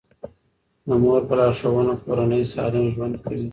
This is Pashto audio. د مور په لارښوونه کورنۍ سالم ژوند کوي.